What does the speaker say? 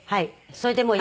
それでもう。